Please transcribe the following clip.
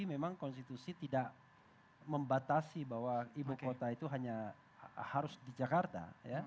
memang konstitusi tidak membatasi bahwa ibu kota itu hanya harus di jakarta